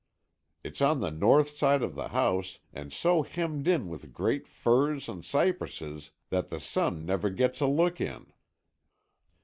It's on the north side of the house, and so hemmed in with great firs and cypresses that the sun never gets a look in."